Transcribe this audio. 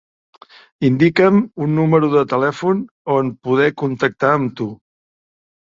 Indica'm un número de telèfon on poder contactar amb tu.